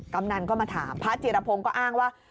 กำนันก็มาถามพระจิรพงศ์ก็อ้างว่า